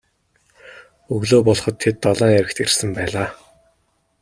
Өглөө болоход тэд далайн эрэгт ирсэн байлаа.